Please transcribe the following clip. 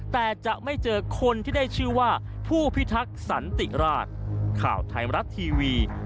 แต่จะไม่เจอคนที่ได้ชื่อว่าผู้พิทักษ์สันติราช